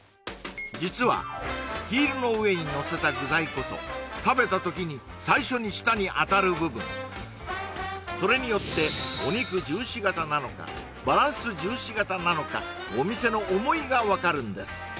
実はヒールの上にのせた具材こそ食べた時に最初に舌に当たる部分それによってお肉重視型なのかバランス重視型なのかお店の想いが分かるんです